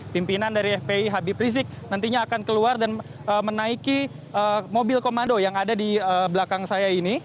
pimpinan dari fpi habib rizik nantinya akan keluar dan menaiki mobil komando yang ada di belakang saya ini